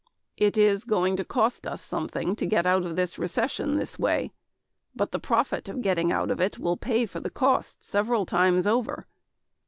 It is going to cost something to get out of this recession this way but the profit of getting out of it will pay for the cost several times over.